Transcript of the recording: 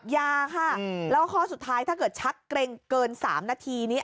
ยาค่ะแล้วข้อสุดท้ายถ้าเกิดชักเกร็งเกิน๓นาทีนี้